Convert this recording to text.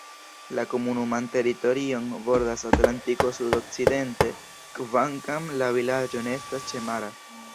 La komunuman teritorion bordas Atlantiko sudokcidente, kvankam la vilaĝo ne estas ĉemara.